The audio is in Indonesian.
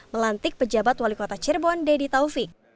melantik pejabat wali kota cirebon deddy taufik